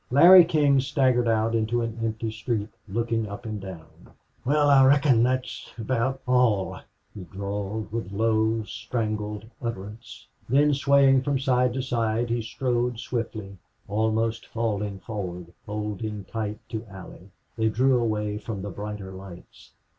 Larry King staggered out into an empty street, looking up and down. "Wal, I reckon thet's aboot all!" he drawled, with low, strangled utterance. Then swaying from side to side he strode swiftly, almost falling forward, holding tight to Allie. They drew away from the brighter lights.